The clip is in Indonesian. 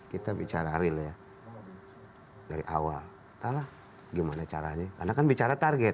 kita bicara real ya dari awal entahlah gimana caranya karena kan bicara target